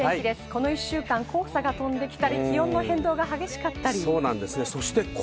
この１週間、黄砂が飛んできたり、気温の変動が激しかったりしましたね。